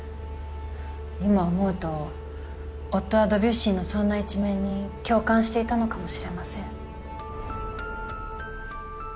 今思うと夫はドビュッシーのそんな一面に共感していたのかもしれません。